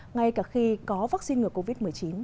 ngay cả khi có vaccine ngừa covid một mươi chín